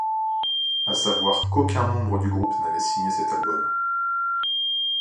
À savoir qu'aucun membre du groupe n'avait signé cet album.